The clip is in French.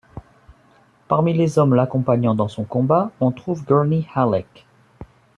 Parmi les hommes l’accompagnant dans son combat on trouve Gurney Halleck.